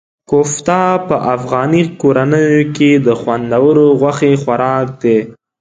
کوفته په افغاني کورنیو کې د خوندورو غوښې خوراک دی.